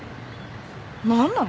何なの？